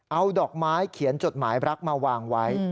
เอาดอกไม้เขียนจดหมายรักมาวางไว้